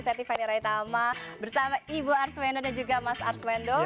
saya tiffany raitama bersama ibu arswendo dan juga mas arswendo